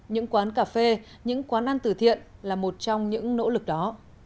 những quán cà phê những quán ăn tử thiện là một trong những nỗ lực đó